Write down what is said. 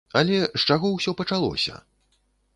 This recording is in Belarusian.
Але з чаго ўсё пачалося.